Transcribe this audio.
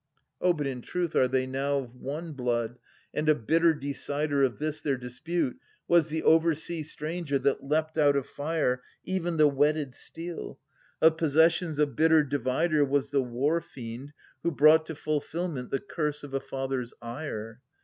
Oh but in truth are they now of one blood, and a bitter decider 940 Of this their dispute was the oversea stranger that leapt out of fire. Even the whetted steel : of possessions a bitter divider Was the War fiend who brought to fulfilment the curse of a father's ire.